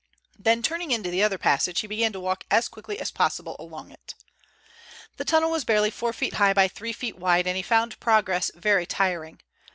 Then turning into the other passage, he began to walk as quickly as possible along it. The tunnel was barely four feet high by three wide, and he found progress very tiring.